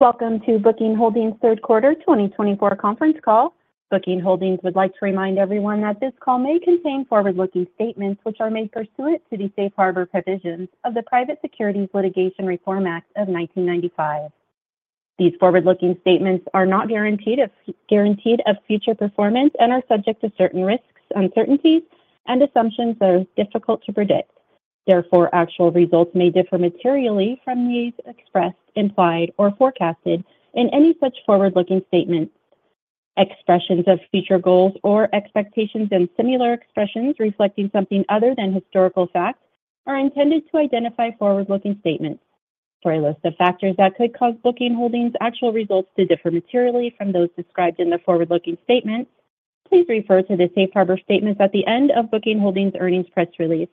Welcome to Booking Holdings' third quarter 2024 conference call. Booking Holdings would like to remind everyone that this call may contain forward-looking statements which are made pursuant to the safe harbor provisions of the Private Securities Litigation Reform Act of 1995. These forward-looking statements are not guaranteed of future performance and are subject to certain risks, uncertainties, and assumptions that are difficult to predict. Therefore, actual results may differ materially from these expressed, implied, or forecasted in any such forward-looking statements. Expressions of future goals or expectations and similar expressions reflecting something other than historical facts are intended to identify forward-looking statements. For a list of factors that could cause Booking Holdings' actual results to differ materially from those described in the forward-looking statements, please refer to the safe harbor statements at the end of Booking Holdings' earnings press release,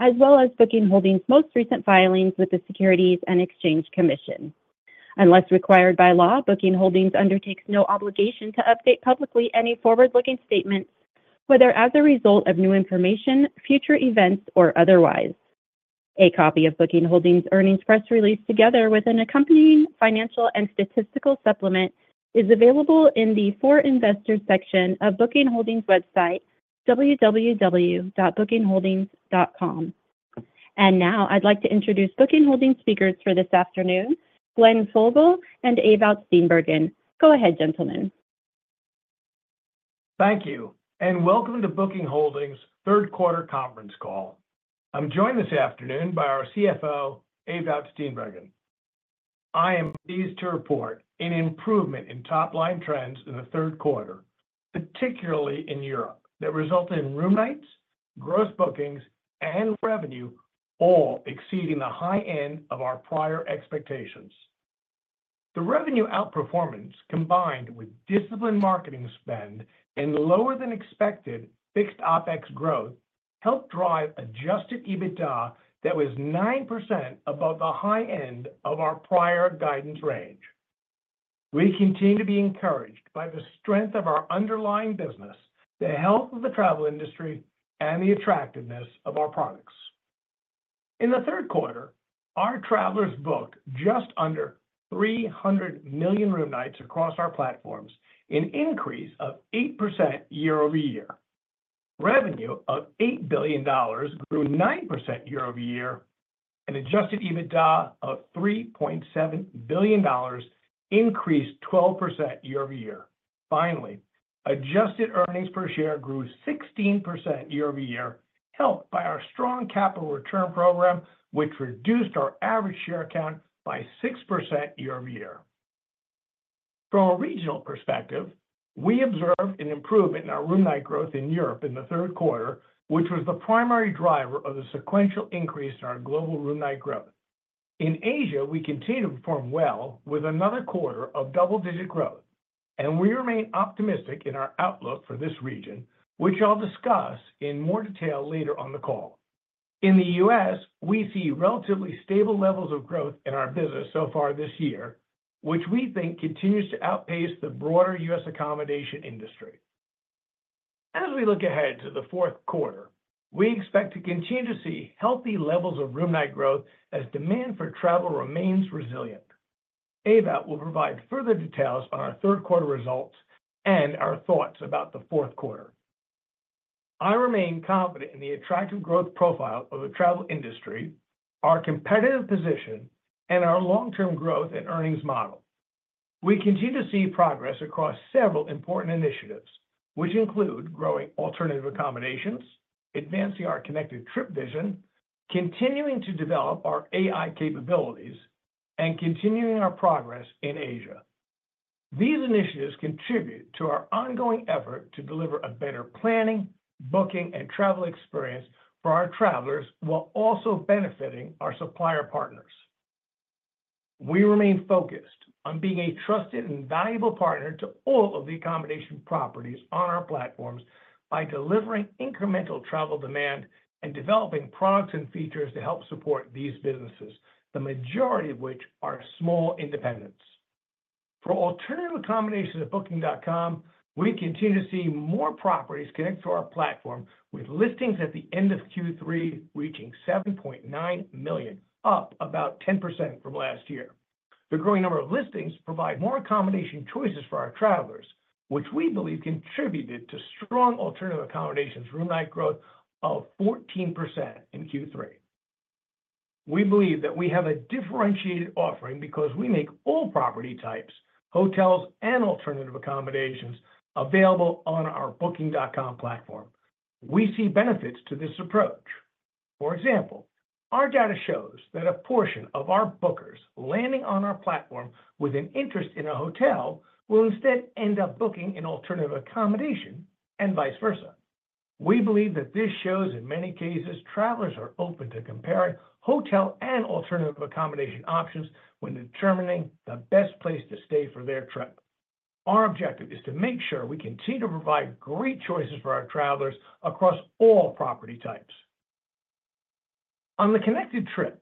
as well as Booking Holdings' most recent filings with the Securities and Exchange Commission. Unless required by law, Booking Holdings undertakes no obligation to update publicly any forward-looking statements, whether as a result of new information, future events, or otherwise. A copy of Booking Holdings' earnings press release together with an accompanying financial and statistical supplement is available in the For Investors section of Booking Holdings' website, www.bookingholdings.com. And now, I'd like to introduce Booking Holdings' speakers for this afternoon, Glenn Fogel and Ewout Steenbergen. Go ahead, gentlemen. Thank you, and welcome to Booking Holdings' third quarter conference call. I'm joined this afternoon by our CFO, Ewout Steenbergen. I am pleased to report an improvement in top-line trends in the third quarter, particularly in Europe, that resulted in room nights, gross bookings, and revenue all exceeding the high end of our prior expectations. The revenue outperformance, combined with disciplined marketing spend and lower-than-expected fixed OpEx growth, helped drive adjusted EBITDA that was 9% above the high end of our prior guidance range. We continue to be encouraged by the strength of our underlying business, the health of the travel industry, and the attractiveness of our products. In the third quarter, our travelers booked just under 300 million room nights across our platforms, an increase of 8% year-over-year. Revenue of $8 billion grew 9% year-over-year, and adjusted EBITDA of $3.7 billion increased 12% year-over-year. Finally, adjusted earnings per share grew 16% year-over-year, helped by our strong capital return program, which reduced our average share count by 6% year-over-year. From a regional perspective, we observed an improvement in our room night growth in Europe in the third quarter, which was the primary driver of the sequential increase in our global room night growth. In Asia, we continue to perform well with another quarter of double-digit growth, and we remain optimistic in our outlook for this region, which I'll discuss in more detail later on the call. In the U.S., we see relatively stable levels of growth in our business so far this year, which we think continues to outpace the broader U.S. accommodation industry. As we look ahead to the fourth quarter, we expect to continue to see healthy levels of room night growth as demand for travel remains resilient. Ewout will provide further details on our third quarter results and our thoughts about the fourth quarter. I remain confident in the attractive growth profile of the travel industry, our competitive position, and our long-term growth and earnings model. We continue to see progress across several important initiatives, which include growing alternative accommodations, advancing our Connected Trip vision, continuing to develop our AI capabilities, and continuing our progress in Asia. These initiatives contribute to our ongoing effort to deliver a better planning, booking, and travel experience for our travelers while also benefiting our supplier partners. We remain focused on being a trusted and valuable partner to all of the accommodation properties on our platforms by delivering incremental travel demand and developing products and features to help support these businesses, the majority of which are small independents. accommodations on Booking.com, we continue to see more properties connect to our platform, with listings at the end of Q3 reaching 7.9 million, up about 10% from last year. The growing number of listings provide more accommodation choices for our travelers, which we believe contributed to strong alternative accommodations room night growth of 14% in Q3. We believe that we have a differentiated offering because we make all property types, hotels, and alternative accommodations available on our Booking.com platform. We see benefits to this approach. For example, our data shows that a portion of our bookers landing on our platform with an interest in a hotel will instead end up booking an alternative accommodation and vice versa. We believe that this shows, in many cases, travelers are open to comparing hotel and alternative accommodation options when determining the best place to stay for their trip. Our objective is to make sure we continue to provide great choices for our travelers across all property types. On the Connected Trip,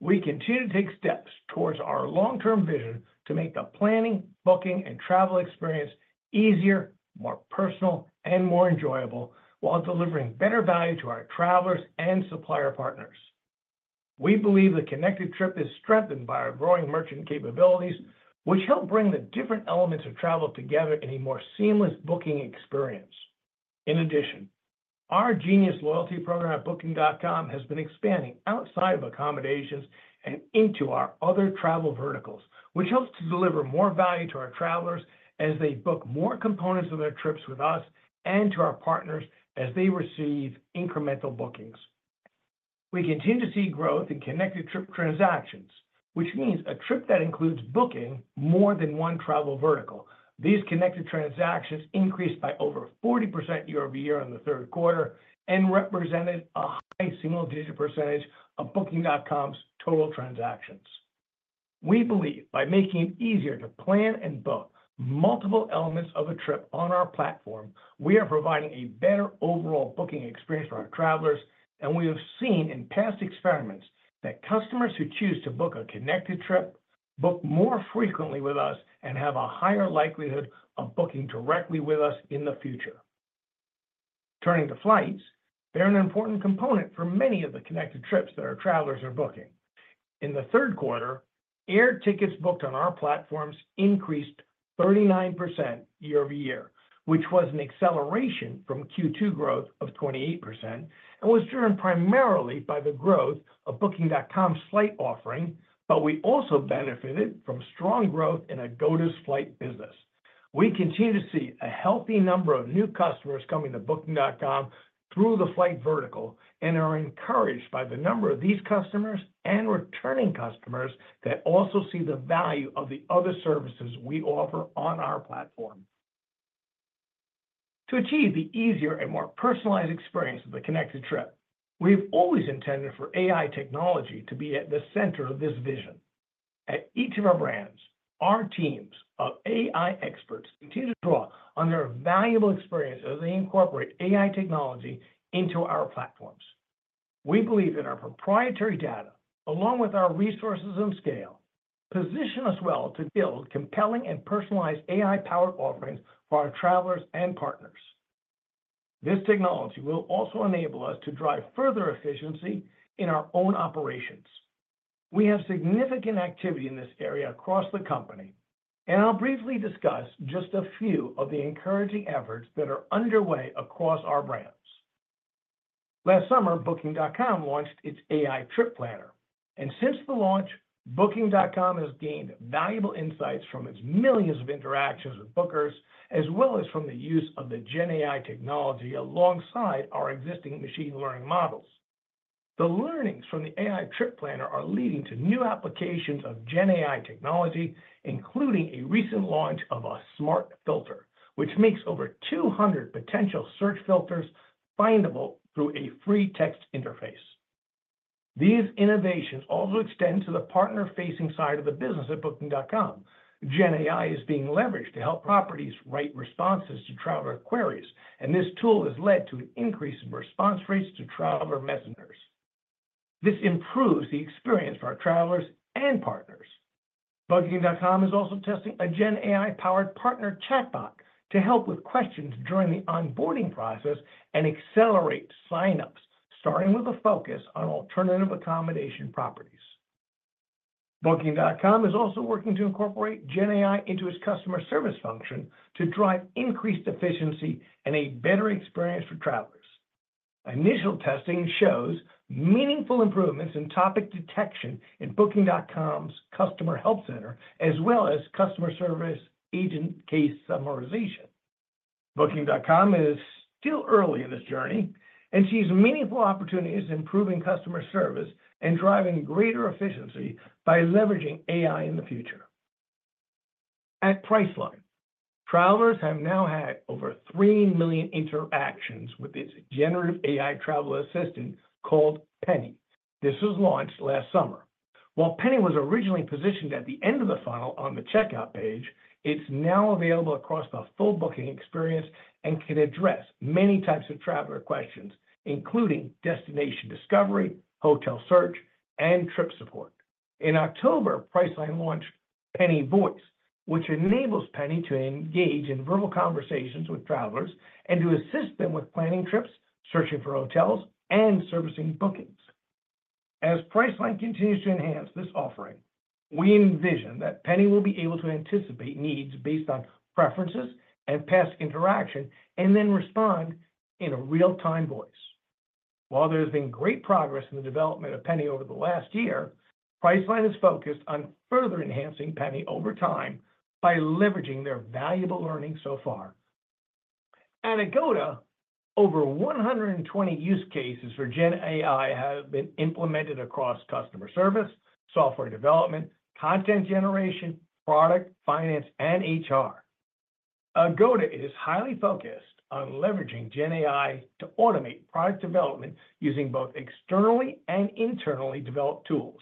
we continue to take steps towards our long-term vision to make the planning, booking, and travel experience easier, more personal, and more enjoyable while delivering better value to our travelers and supplier partners. We believe the Connected Trip is strengthened by our growing merchant capabilities, which help bring the different elements of travel together in a more seamless booking experience. In addition, our Genius Loyalty Program at Booking.com has been expanding outside of accommodations and into our other travel verticals, which helps to deliver more value to our travelers as they book more components of their trips with us and to our partners as they receive incremental bookings. We continue to see growth in Connected Trip transactions, which means a trip that includes booking more than one travel vertical. These connected transactions increased by over 40% year-over-year in the third quarter and represented a high single-digit % of Booking.com's total transactions. We believe by making it easier to plan and book multiple elements of a trip on our platform, we are providing a better overall booking experience for our travelers, and we have seen in past experiments that customers who choose to book a Connected Trip book more frequently with us and have a higher likelihood of booking directly with us in the future. Turning to flights, they're an important component for many of the Connected Trips that our travelers are booking. In the third quarter, air tickets booked on our platforms increased 39% year-over-year, which was an acceleration from Q2 growth of 28% and was driven primarily by the growth of Booking.com's flight offering, but we also benefited from strong growth in an Agoda flight business. We continue to see a healthy number of new customers coming to Booking.com through the flight vertical and are encouraged by the number of these customers and returning customers that also see the value of the other services we offer on our platform. To achieve the easier and more personalized experience of the Connected Trip, we have always intended for AI technology to be at the center of this vision. At each of our brands, our teams of AI experts continue to draw on their valuable experience as they incorporate AI technology into our platforms. We believe that our proprietary data, along with our resources and scale, position us well to build compelling and personalized AI-powered offerings for our travelers and partners. This technology will also enable us to drive further efficiency in our own operations. We have significant activity in this area across the company, and I'll briefly discuss just a few of the encouraging efforts that are underway across our brands. Last summer, Booking.com launched its AI Trip Planner, and since the launch, Booking.com has gained valuable insights from its millions of interactions with bookers, as well as from the use of the GenAI technology alongside our existing machine learning models. The learnings from the AI Trip Planner are leading to new applications of GenAI technology, including a recent launch of a Smart Filter, which makes over 200 potential search filters findable through a free text interface. These innovations also extend to the partner-facing side of the business at Booking.com. GenAI is being leveraged to help properties write responses to traveler queries, and this tool has led to an increase in response rates to traveler messengers. This improves the experience for our travelers and partners. Booking.com is also testing a GenAI-powered partner chatbot to help with questions during the onboarding process and accelerate sign-ups, starting with a focus on alternative accommodation properties. Booking.com is also working to incorporate GenAI into its customer service function to drive increased efficiency and a better experience for travelers. Initial testing shows meaningful improvements in topic detection in Booking.com's customer help center, as well as customer service agent case summarization. Booking.com is still early in this journey and sees meaningful opportunities in improving customer service and driving greater efficiency by leveraging AI in the future. At Priceline, travelers have now had over three million interactions with its generative AI travel assistant called Penny. This was launched last summer. While Penny was originally positioned at the end of the funnel on the checkout page, it's now available across the full booking experience and can address many types of traveler questions, including destination discovery, hotel search, and trip support. In October, Priceline launched Penny Voice, which enables Penny to engage in verbal conversations with travelers and to assist them with planning trips, searching for hotels, and servicing bookings. As Priceline continues to enhance this offering, we envision that Penny will be able to anticipate needs based on preferences and past interaction and then respond in a real-time voice. While there has been great progress in the development of Penny over the last year, Priceline is focused on further enhancing Penny over time by leveraging their valuable learnings so far. At Agoda, over 120 use cases for GenAI have been implemented across customer service, software development, content generation, product finance, and HR. Agoda is highly focused on leveraging GenAI to automate product development using both externally and internally developed tools.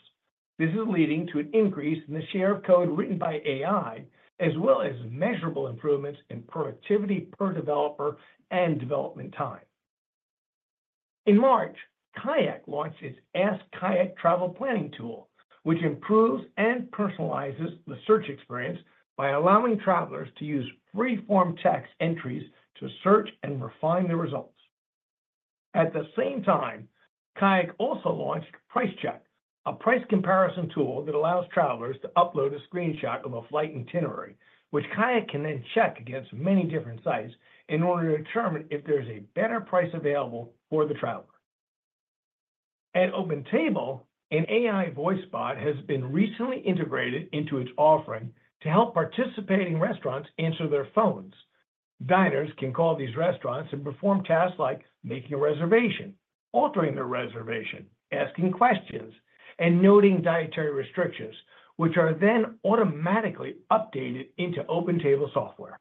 This is leading to an increase in the share of code written by AI, as well as measurable improvements in productivity per developer and development time. In March, KAYAK launched its Ask KAYAK Travel Planning tool, which improves and personalizes the search experience by allowing travelers to use freeform text entries to search and refine the results. At the same time, KAYAK also launched PriceCheck, a price comparison tool that allows travelers to upload a screenshot of a flight itinerary, which KAYAK can then check against many different sites in order to determine if there is a better price available for the traveler. At OpenTable, an AI voice bot has been recently integrated into its offering to help participating restaurants answer their phones. Diners can call these restaurants and perform tasks like making a reservation, altering their reservation, asking questions, and noting dietary restrictions, which are then automatically updated into OpenTable software.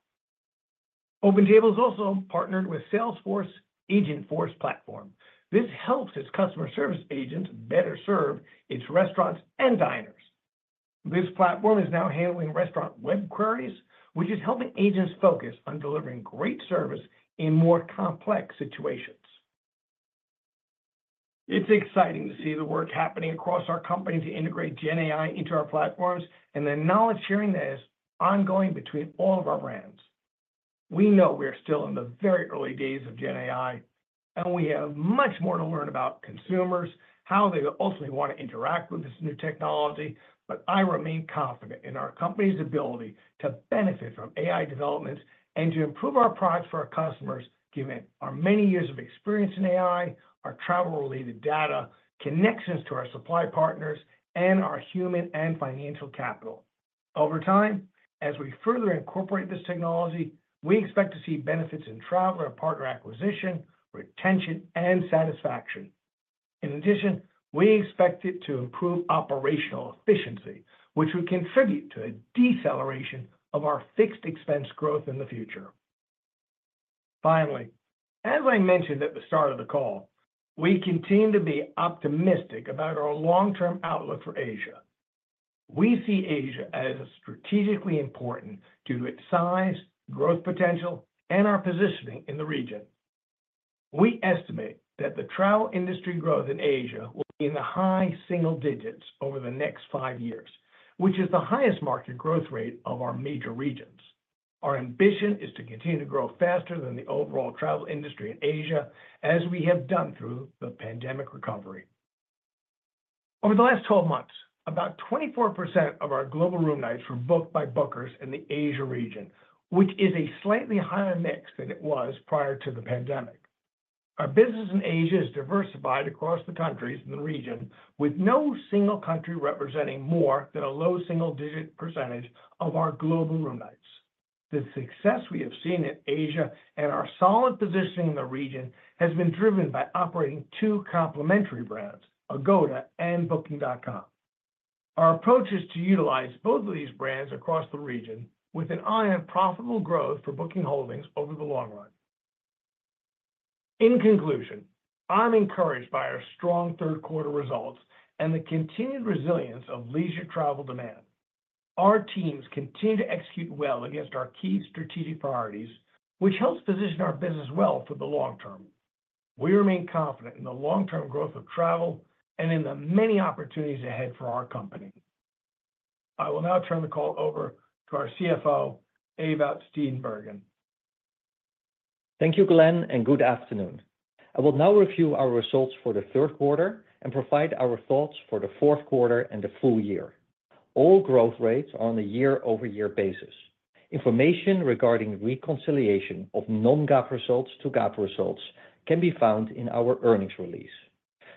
OpenTable has also partnered with Salesforce Agentforce platform. This helps its customer service agents better serve its restaurants and diners. This platform is now handling restaurant web queries, which is helping agents focus on delivering great service in more complex situations. It's exciting to see the work happening across our company to integrate GenAI into our platforms and the knowledge sharing that is ongoing between all of our brands. We know we are still in the very early days of GenAI, and we have much more to learn about consumers, how they ultimately want to interact with this new technology, but I remain confident in our company's ability to benefit from AI developments and to improve our products for our customers, given our many years of experience in AI, our travel-related data, connections to our supply partners, and our human and financial capital. Over time, as we further incorporate this technology, we expect to see benefits in traveler and partner acquisition, retention, and satisfaction. In addition, we expect it to improve operational efficiency, which would contribute to a deceleration of our fixed expense growth in the future. Finally, as I mentioned at the start of the call, we continue to be optimistic about our long-term outlook for Asia. We see Asia as strategically important due to its size, growth potential, and our positioning in the region. We estimate that the travel industry growth in Asia will be in the high single digits over the next five years, which is the highest market growth rate of our major regions. Our ambition is to continue to grow faster than the overall travel industry in Asia, as we have done through the pandemic recovery. Over the last 12 months, about 24% of our global room nights were booked by bookers in the Asia region, which is a slightly higher mix than it was prior to the pandemic. Our business in Asia is diversified across the countries in the region, with no single country representing more than a low single-digit % of our global room nights. The success we have seen in Asia and our solid positioning in the region has been driven by operating two complementary brands, Agoda and Booking.com. Our approach is to utilize both of these brands across the region with an eye on profitable growth for Booking Holdings over the long run. In conclusion, I'm encouraged by our strong third-quarter results and the continued resilience of leisure travel demand. Our teams continue to execute well against our key strategic priorities, which helps position our business well for the long term. We remain confident in the long-term growth of travel and in the many opportunities ahead for our company. I will now turn the call over to our CFO, Ewout Steenbergen. Thank you, Glenn, and good afternoon. I will now review our results for the third quarter and provide our thoughts for the fourth quarter and the full year. All growth rates are on a year-over-year basis. Information regarding reconciliation of non-GAAP results to GAAP results can be found in our earnings release.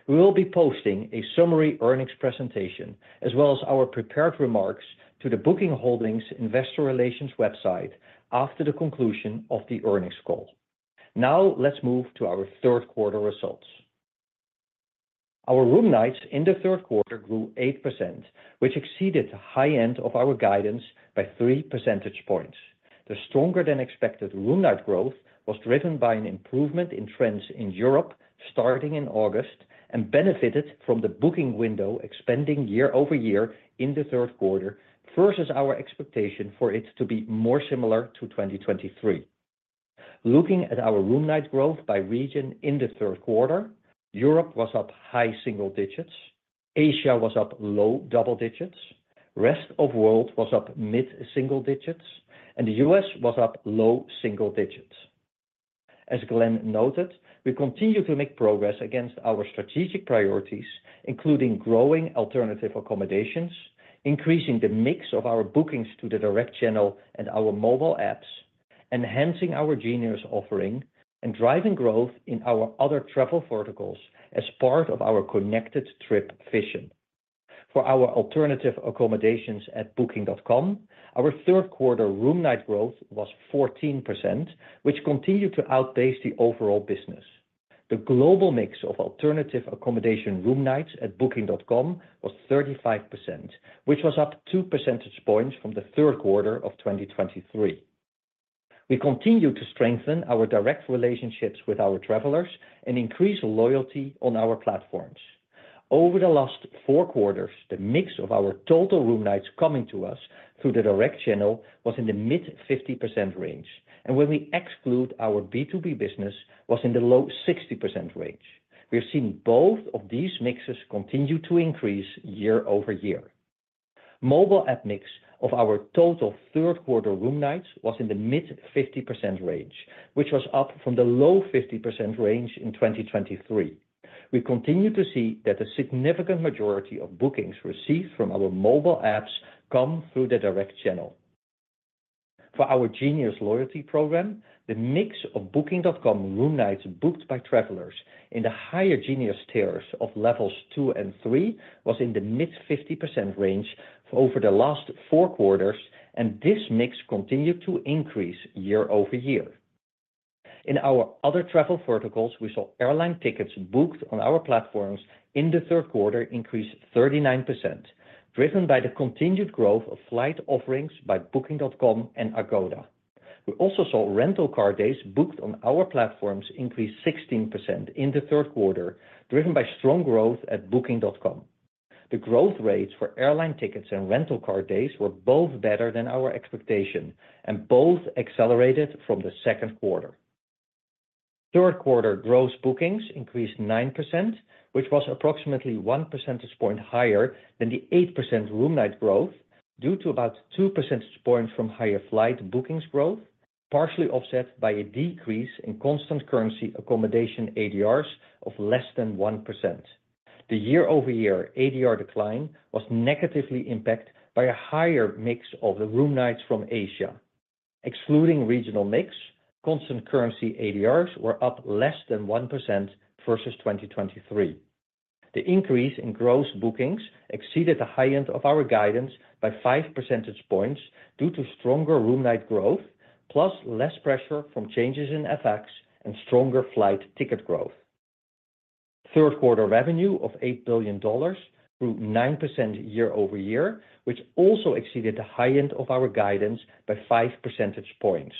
We will be posting a summary earnings presentation as well as our prepared remarks to the Booking Holdings Investor Relations website after the conclusion of the earnings call. Now, let's move to our third-quarter results. Our room nights in the third quarter grew 8%, which exceeded the high end of our guidance by 3 percentage points. The stronger-than-expected room night growth was driven by an improvement in trends in Europe starting in August and benefited from the booking window expanding year-over-year in the third quarter versus our expectation for it to be more similar to 2023. Looking at our room night growth by region in the third quarter, Europe was up high single digits, Asia was up low double digits, the rest of the world was up mid-single digits, and the U.S. was up low single digits. As Glenn noted, we continue to make progress against our strategic priorities, including growing alternative accommodations, increasing the mix of our bookings to the direct channel and our mobile apps, enhancing our Genius offering, and driving growth in our other travel verticals as part of our Connected Trip vision. For our alternative accommodations at Booking.com, our third-quarter room night growth was 14%, which continued to outpace the overall business. The global mix of alternative accommodation room nights at Booking.com was 35%, which was up 2 percentage points from the third quarter of 2023. We continue to strengthen our direct relationships with our travelers and increase loyalty on our platforms. Over the last four quarters, the mix of our total room nights coming to us through the direct channel was in the mid-50% range, and when we exclude our B2B business, it was in the low 60% range. We have seen both of these mixes continue to increase year-over-year. Mobile app mix of our total third-quarter room nights was in the mid-50% range, which was up from the low 50% range in 2023. We continue to see that a significant majority of bookings received from our mobile apps come through the direct channel. For our Genius loyalty program, the mix of Booking.com room nights booked by travelers in the higher Genius tiers of levels two and three was in the mid-50% range over the last four quarters, and this mix continued to increase year-over-year. In our other travel verticals, we saw airline tickets booked on our platforms in the third quarter increase 39%, driven by the continued growth of flight offerings by Booking.com and Agoda. We also saw rental car days booked on our platforms increase 16% in the third quarter, driven by strong growth at Booking.com. The growth rates for airline tickets and rental car days were both better than our expectation and both accelerated from the second quarter. Third-quarter gross bookings increased 9%, which was approximately 1 percentage point higher than the 8% room night growth due to about 2 percentage points from higher flight bookings growth, partially offset by a decrease in constant currency accommodation ADRs of less than 1%. The year-over-year ADR decline was negatively impacted by a higher mix of the room nights from Asia. Excluding regional mix, constant currency ADRs were up less than 1% versus 2023. The increase in gross bookings exceeded the high end of our guidance by 5 percentage points due to stronger room night growth, plus less pressure from changes in FX and stronger flight ticket growth. Third-quarter revenue of $8 billion grew 9% year-over-year, which also exceeded the high end of our guidance by 5 percentage points.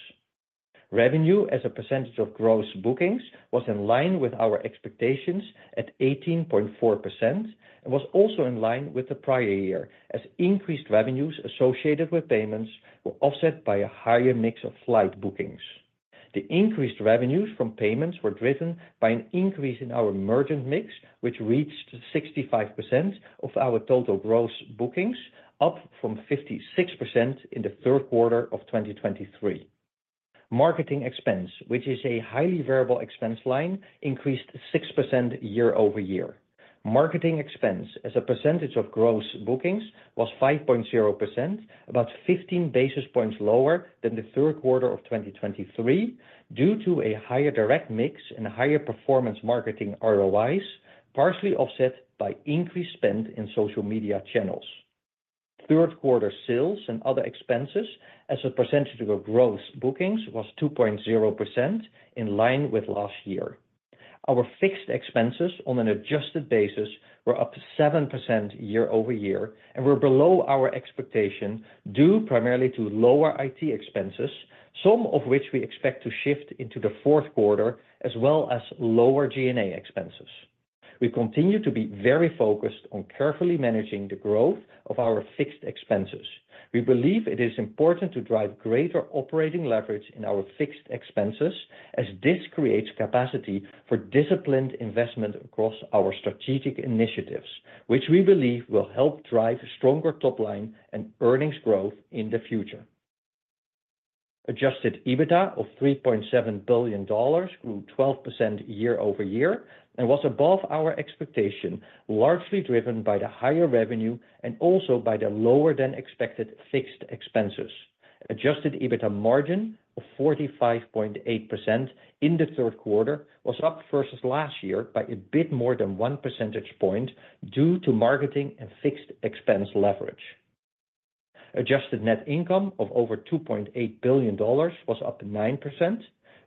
Revenue as a percentage of gross bookings was in line with our expectations at 18.4% and was also in line with the prior year, as increased revenues associated with payments were offset by a higher mix of flight bookings. The increased revenues from payments were driven by an increase in our merchant mix, which reached 65% of our total gross bookings, up from 56% in the third quarter of 2023. Marketing expense, which is a highly variable expense line, increased 6% year-over-year. Marketing expense as a percentage of gross bookings was 5.0%, about 15 basis points lower than the third quarter of 2023 due to a higher direct mix and higher performance marketing ROIs, partially offset by increased spend in social media channels. Third-quarter sales and other expenses as a percentage of gross bookings was 2.0%, in line with last year. Our fixed expenses on an adjusted basis were up to 7% year-over-year and were below our expectation due primarily to lower IT expenses, some of which we expect to shift into the fourth quarter, as well as lower G&A expenses. We continue to be very focused on carefully managing the growth of our fixed expenses. We believe it is important to drive greater operating leverage in our fixed expenses, as this creates capacity for disciplined investment across our strategic initiatives, which we believe will help drive stronger top-line and earnings growth in the future. Adjusted EBITDA of $3.7 billion grew 12% year-over-year and was above our expectation, largely driven by the higher revenue and also by the lower-than-expected fixed expenses. Adjusted EBITDA margin of 45.8% in the third quarter was up versus last year by a bit more than 1 percentage point due to marketing and fixed expense leverage. Adjusted net income of over $2.8 billion was up 9%.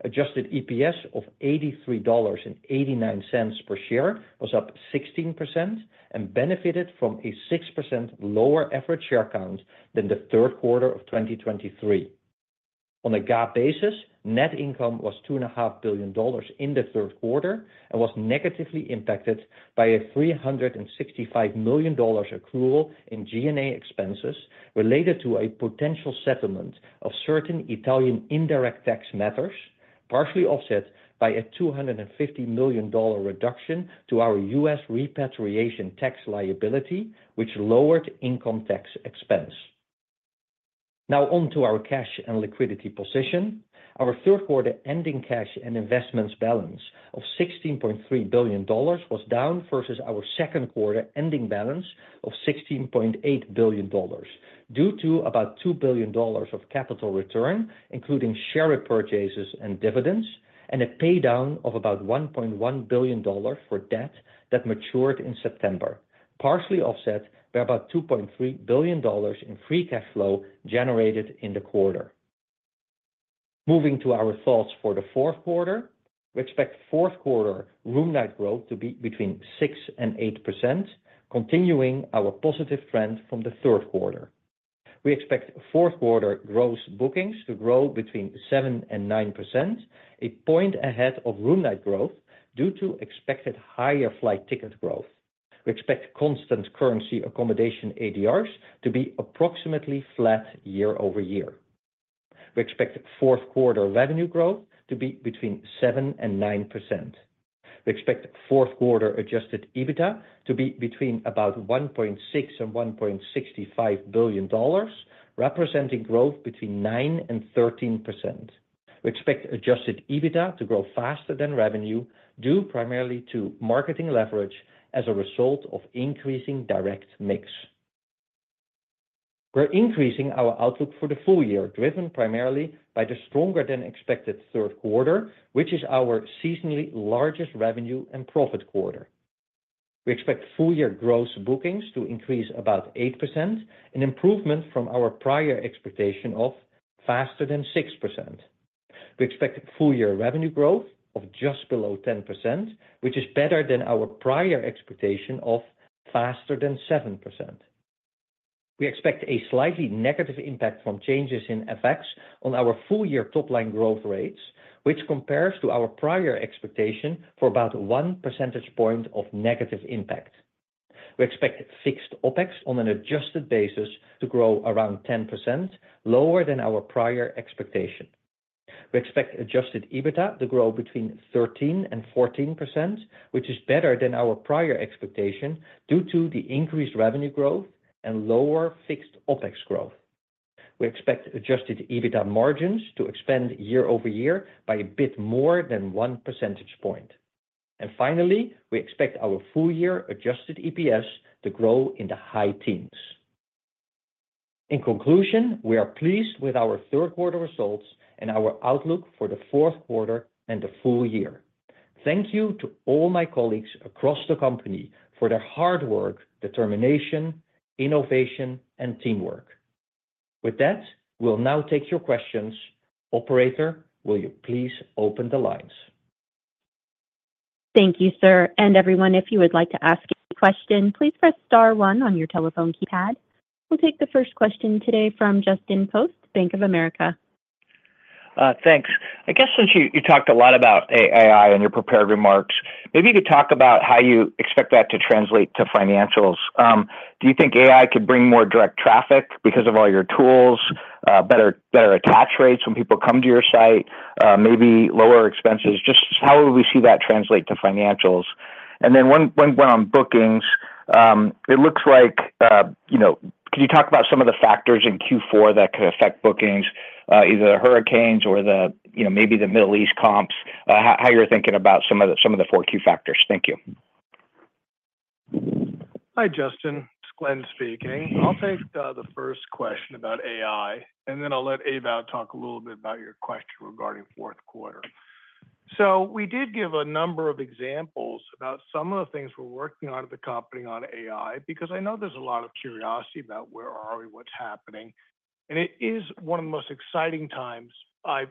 Adjusted EPS of $83.89 per share was up 16% and benefited from a 6% lower average share count than the third quarter of 2023. On a GAAP basis, net income was $2.5 billion in the third quarter and was negatively impacted by a $365 million accrual in G&A expenses related to a potential settlement of certain Italian indirect tax matters, partially offset by a $250 million reduction to our U.S. repatriation tax liability, which lowered income tax expense. Now on to our cash and liquidity position. Our third-quarter ending cash and investments balance of $16.3 billion was down versus our second quarter ending balance of $16.8 billion due to about $2 billion of capital return, including share repurchases and dividends, and a paydown of about $1.1 billion for debt that matured in September, partially offset by about $2.3 billion in free cash flow generated in the quarter. Moving to our thoughts for the fourth quarter, we expect fourth-quarter room night growth to be between 6% and 8%, continuing our positive trend from the third quarter. We expect fourth-quarter gross bookings to grow between 7% and 9%, a point ahead of room night growth due to expected higher flight ticket growth. We expect constant currency accommodation ADRs to be approximately flat year-over-year. We expect fourth-quarter revenue growth to be between 7% and 9%. We expect fourth-quarter adjusted EBITDA to be between about $1.6 and $1.65 billion, representing growth between 9% and 13%. We expect adjusted EBITDA to grow faster than revenue due primarily to marketing leverage as a result of increasing direct mix. We're increasing our outlook for the full year, driven primarily by the stronger-than-expected third quarter, which is our seasonally largest revenue and profit quarter. We expect full-year gross bookings to increase about 8%, an improvement from our prior expectation of faster than 6%. We expect full-year revenue growth of just below 10%, which is better than our prior expectation of faster than 7%. We expect a slightly negative impact from changes in FX on our full-year top-line growth rates, which compares to our prior expectation for about 1 percentage point of negative impact. We expect fixed OpEx on an adjusted basis to grow around 10%, lower than our prior expectation. We expect Adjusted EBITDA to grow between 13% and 14%, which is better than our prior expectation due to the increased revenue growth and lower fixed OpEx growth. We expect Adjusted EBITDA margins to expand year-over-year by a bit more than 1 percentage point. And finally, we expect our full-year adjusted EPS to grow in the high teens. In conclusion, we are pleased with our third-quarter results and our outlook for the fourth quarter and the full year. Thank you to all my colleagues across the company for their hard work, determination, innovation, and teamwork. With that, we'll now take your questions. Operator, will you please open the lines? Thank you, sir. And everyone, if you would like to ask a question, please press star one on your telephone keypad. We'll take the first question today from Justin Post, Bank of America. Thanks. I guess since you talked a lot about AI and your prepared remarks, maybe you could talk about how you expect that to translate to financials. Do you think AI could bring more direct traffic because of all your tools, better attach rates when people come to your site, maybe lower expenses? Just how would we see that translate to financials? And then when on bookings, it looks like could you talk about some of the factors in Q4 that could affect bookings, either the hurricanes or maybe the Middle East comps, how you're thinking about some of the four Q factors? Thank you. Hi, Justin. It's Glenn speaking. I'll take the first question about AI, and then I'll let Ewout talk a little bit about your question regarding fourth quarter. So we did give a number of examples about some of the things we're working on at the company on AI because I know there's a lot of curiosity about where are we, what's happening. And it is one of the most exciting times at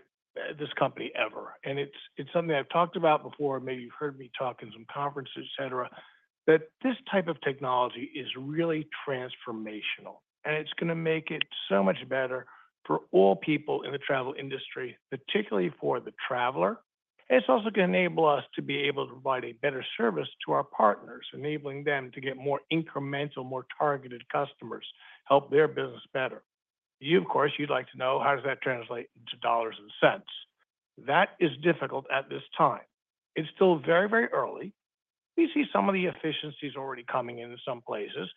this company ever. It's something I've talked about before, maybe you've heard me talk in some conferences, et cetera, that this type of technology is really transformational, and it's going to make it so much better for all people in the travel industry, particularly for the traveler. It's also going to enable us to be able to provide a better service to our partners, enabling them to get more incremental, more targeted customers, help their business better. You, of course, you'd like to know how does that translate into dollars and cents? That is difficult at this time. It's still very, very early. We see some of the efficiencies already coming in some places.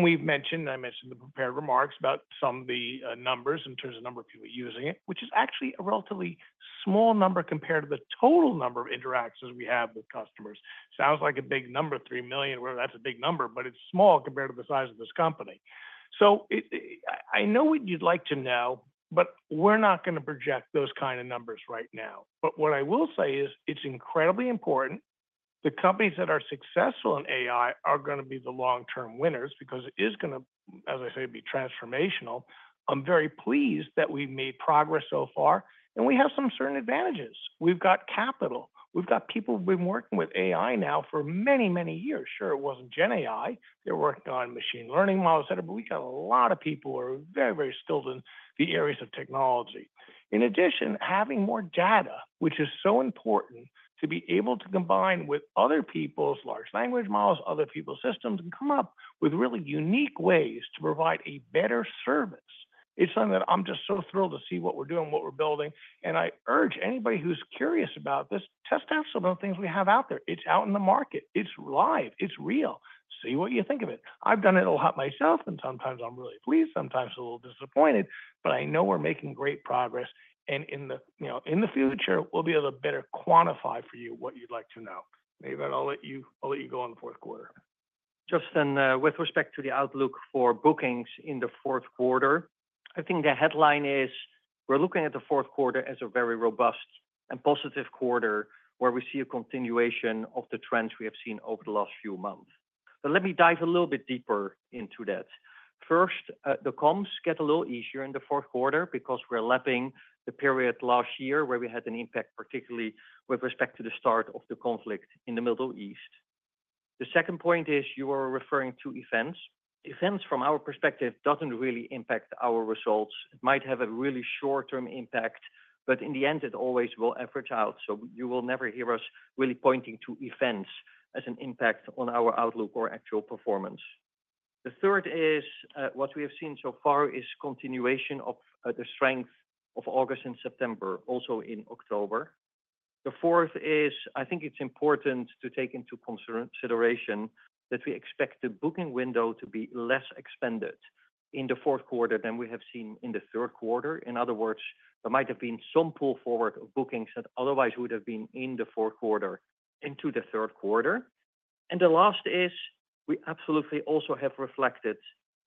We've mentioned, and I mentioned the prepared remarks about some of the numbers in terms of the number of people using it, which is actually a relatively small number compared to the total number of interactions we have with customers. Sounds like a big number, 3 million, yeah that's a big number, but it's small compared to the size of this company. I know what you'd like to know, but we're not going to project those kinds of numbers right now. What I will say is it's incredibly important. The companies that are successful in AI are going to be the long-term winners because it is going to, as I say, be transformational. I'm very pleased that we've made progress so far, and we have some certain advantages. We've got capital. We've got people who've been working with AI now for many, many years. Sure, it wasn't GenAI. They were working on machine learning models, et cetera, but we've got a lot of people who are very, very skilled in the areas of technology. In addition, having more data, which is so important to be able to combine with other people's large language models, other people's systems, and come up with really unique ways to provide a better service. It's something that I'm just so thrilled to see what we're doing, what we're building. And I urge anybody who's curious about this, test out some of the things we have out there. It's out in the market. It's live. It's real. See what you think of it. I've done it a lot myself, and sometimes I'm really pleased, sometimes a little disappointed, but I know we're making great progress. And in the future, we'll be able to better quantify for you what you'd like to know. Maybe I'll let you go on the fourth quarter. Justin, with respect to the outlook for bookings in the fourth quarter, I think the headline is we're looking at the fourth quarter as a very robust and positive quarter where we see a continuation of the trends we have seen over the last few months. But let me dive a little bit deeper into that. First, the comps get a little easier in the fourth quarter because we're lapping the period last year where we had an impact, particularly with respect to the start of the conflict in the Middle East. The second point is you were referring to events. Events, from our perspective, doesn't really impact our results. It might have a really short-term impact, but in the end, it always will average out. So you will never hear us really pointing to events as an impact on our outlook or actual performance. The third is what we have seen so far is continuation of the strength of August and September, also in October. The fourth is I think it's important to take into consideration that we expect the booking window to be less expanded in the fourth quarter than we have seen in the third quarter. In other words, there might have been some pull forward of bookings that otherwise would have been in the fourth quarter into the third quarter. And the last is we absolutely also have reflected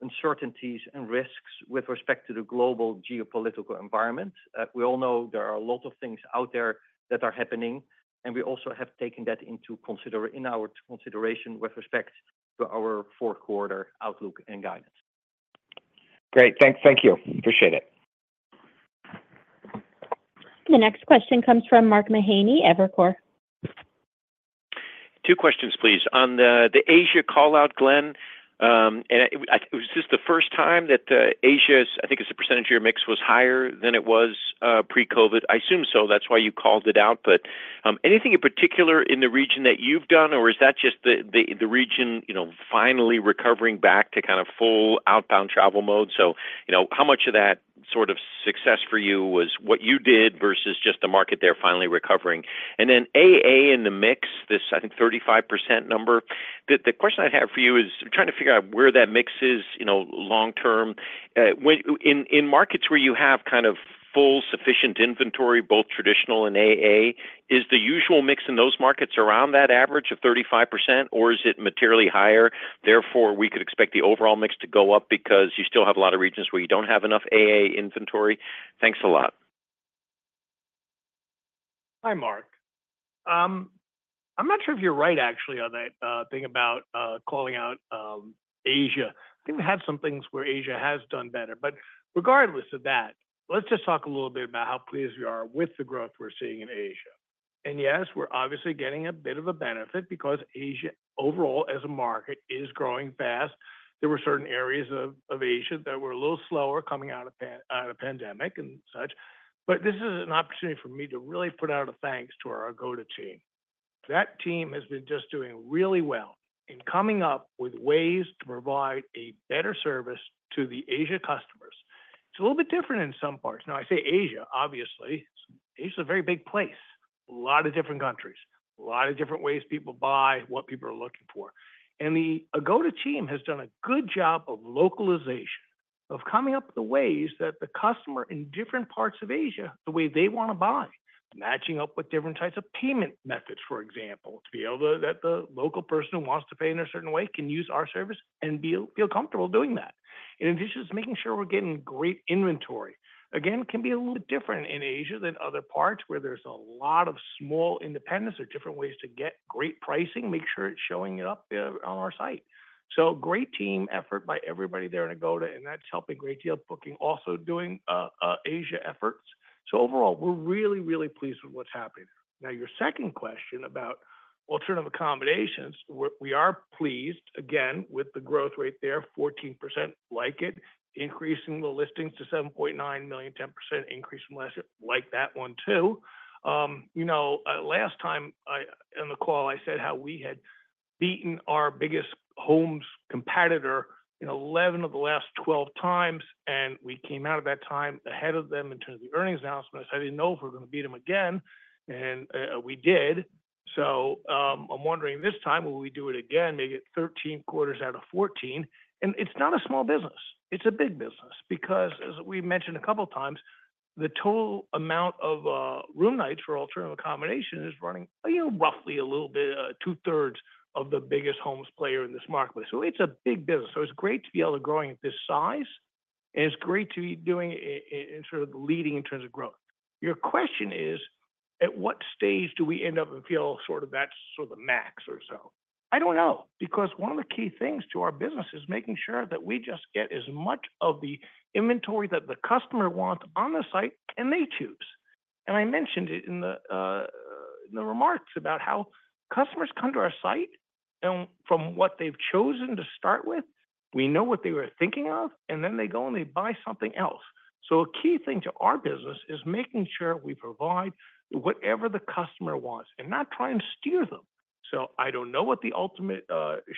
uncertainties and risks with respect to the global geopolitical environment. We all know there are a lot of things out there that are happening, and we also have taken that into consideration with respect to our fourth quarter outlook and guidance. Great. Thank you. Appreciate it. The next question comes from Mark Mahaney, Evercore. Two questions, please. On the Asia callout, Glenn, was this the first time that Asia, I think it's a percentage of your mix, was higher than it was pre-COVID? I assume so. That's why you called it out. But anything in particular in the region that you've done, or is that just the region finally recovering back to kind of full outbound travel mode? So how much of that sort of success for you was what you did versus just the market there finally recovering? And then AA in the mix, this I think 35% number. The question I'd have for you is trying to figure out where that mix is long-term. In markets where you have kind of full sufficient inventory, both traditional and AA, is the usual mix in those markets around that average of 35%, or is it materially higher? Therefore, we could expect the overall mix to go up because you still have a lot of regions where you don't have enough AA inventory. Thanks a lot. Hi, Mark. I'm not sure if you're right, actually, on that thing about calling out Asia. I think we've had some things where Asia has done better. But regardless of that, let's just talk a little bit about how pleased we are with the growth we're seeing in Asia. And yes, we're obviously getting a bit of a benefit because Asia overall as a market is growing fast. There were certain areas of Asia that were a little slower coming out of the pandemic and such. But this is an opportunity for me to really put out a thanks to our Agoda team. That team has been just doing really well in coming up with ways to provide a better service to the Asia customers. It's a little bit different in some parts. Now, I say Asia, obviously. Asia is a very big place. A lot of different countries, a lot of different ways people buy, what people are looking for. And the Agoda team has done a good job of localization, of coming up with the ways that the customer in different parts of Asia, the way they want to buy, matching up with different types of payment methods, for example, to be able to let the local person who wants to pay in a certain way can use our service and feel comfortable doing that. In addition, it's making sure we're getting great inventory. Again, it can be a little bit different in Asia than other parts where there's a lot of small independents or different ways to get great pricing, make sure it's showing up on our site. So great team effort by everybody there in Agoda, and that's helping a great deal of Booking also doing Asia efforts. So overall, we're really, really pleased with what's happening. Now, your second question about alternative accommodations, we are pleased, again, with the growth rate there, 14%, like it, increasing the listings to 7.9 million, 10% increase from last year, like that one too. Last time on the call, I said how we had beaten our biggest homes competitor in 11 of the last 12 times, and we came out of that time ahead of them in terms of the earnings announcement. I said, "I didn't know if we were going to beat them again," and we did. So I'm wondering this time, will we do it again, make it 13 quarters out of 14? And it's not a small business. It's a big business because, as we mentioned a couple of times, the total amount of room nights for alternative accommodation is running roughly a little bit, two-thirds of the biggest homes player in this marketplace. So it's a big business. So it's great to be able to grow at this size, and it's great to be doing sort of leading in terms of growth. Your question is, at what stage do we end up and feel sort of that sort of max or so? I don't know because one of the key things to our business is making sure that we just get as much of the inventory that the customer wants on the site and they choose. And I mentioned it in the remarks about how customers come to our site, and from what they've chosen to start with, we know what they were thinking of, and then they go and they buy something else. So a key thing to our business is making sure we provide whatever the customer wants and not try and steer them. So I don't know what the ultimate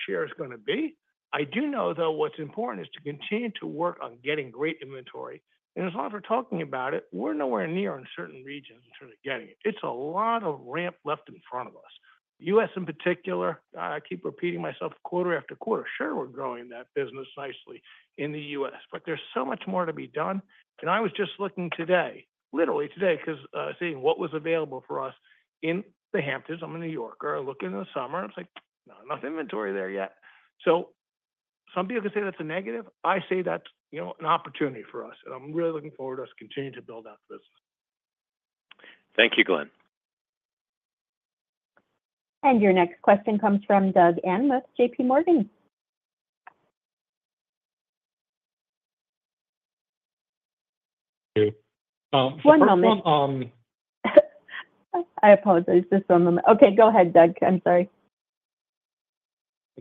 share is going to be. I do know, though, what's important is to continue to work on getting great inventory. And as long as we're talking about it, we're nowhere near in certain regions in terms of getting it. It's a lot of ramp left in front of us. U.S. in particular, I keep repeating myself quarter after quarter, sure we're growing that business nicely in the U.S., but there's so much more to be done. And I was just looking today, literally today, because seeing what was available for us in the Hamptons. I'm a New Yorker. I look in the summer. I was like, "No, enough inventory there yet." So some people can say that's a negative. I say that's an opportunity for us, and I'm really looking forward to us continuing to build out the business. Thank you, Glenn. Your next question comes from Doug Anmuth, JPMorgan. One moment. I apologize. Just one moment. Okay. Go ahead, Doug. I'm sorry.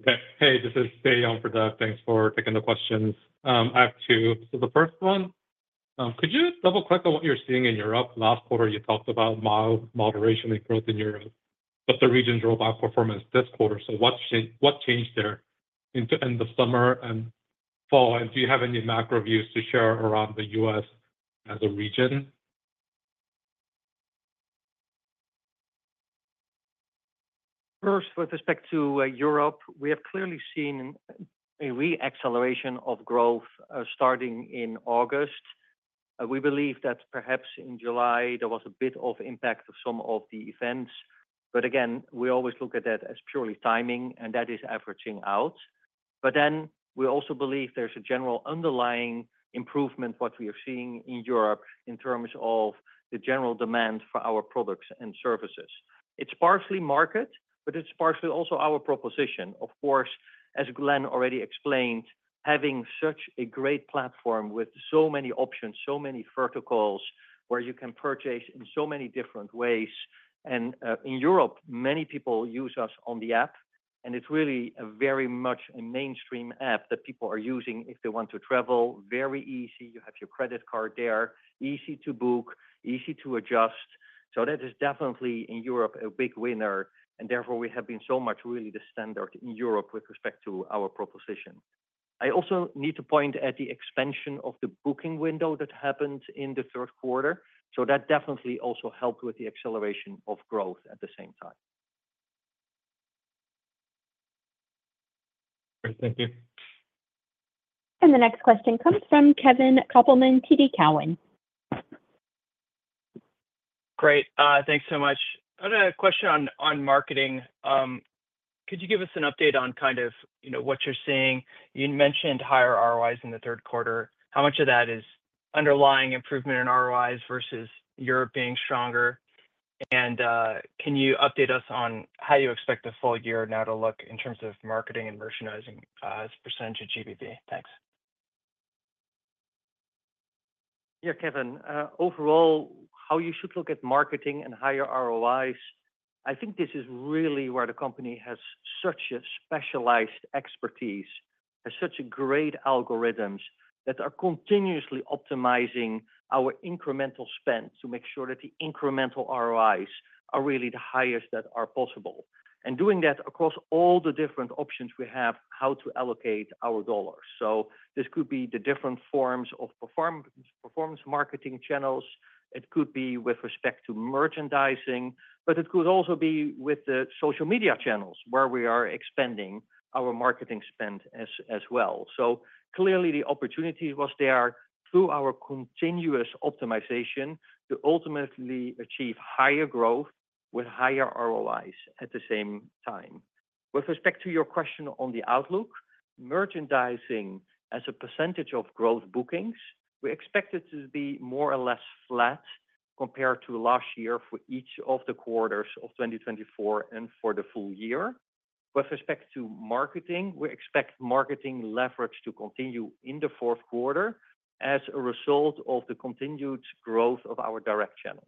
Okay. Hey, this is David Young for Doug. Thanks for taking the questions. I have two. So the first one, could you double-click on what you're seeing in Europe? Last quarter, you talked about moderating growth in Europe, but the region's robust performance this quarter. So what changed there in the summer and fall? And do you have any macro views to share around the U.S. as a region? First, with respect to Europe, we have clearly seen a re-acceleration of growth starting in August. We believe that perhaps in July, there was a bit of impact of some of the events. But again, we always look at that as purely timing, and that is averaging out. But then we also believe there's a general underlying improvement in what we are seeing in Europe in terms of the general demand for our products and services. It's partially market, but it's partially also our proposition. Of course, as Glenn already explained, having such a great platform with so many options, so many verticals where you can purchase in so many different ways. And in Europe, many people use us on the app, and it's really very much a mainstream app that people are using if they want to travel. Very easy. You have your credit card there, easy to book, easy to adjust. So that is definitely in Europe a big winner, and therefore we have been so much really the standard in Europe with respect to our proposition. I also need to point at the expansion of the booking window that happened in the third quarter. So that definitely also helped with the acceleration of growth at the same time. Great. Thank you. And the next question comes from Kevin Kopelman, TD Cowen. Great. Thanks so much. I had a question on marketing. Could you give us an update on kind of what you're seeing? You mentioned higher ROIs in the third quarter. How much of that is underlying improvement in ROIs versus Europe being stronger? And can you update us on how you expect the full year now to look in terms of marketing and merchandising as percentage of GBV? Thanks. Yeah, Kevin. Overall, how you should look at marketing and higher ROIs, I think this is really where the company has such a specialized expertise, has such great algorithms that are continuously optimizing our incremental spend to make sure that the incremental ROIs are really the highest that are possible. And doing that across all the different options we have, how to allocate our dollars. So this could be the different forms of performance marketing channels. It could be with respect to merchandising, but it could also be with the social media channels where we are expanding our marketing spend as well. So clearly, the opportunity was there through our continuous optimization to ultimately achieve higher growth with higher ROIs at the same time. With respect to your question on the outlook, merchandising as a percentage of Gross Bookings, we expect it to be more or less flat compared to last year for each of the quarters of 2024 and for the full year. With respect to marketing, we expect marketing leverage to continue in the fourth quarter as a result of the continued growth of our direct channels.